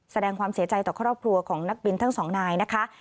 แสดงความเสียใจต่อครอบครัวของนักบินทั้งสองนายนะคะ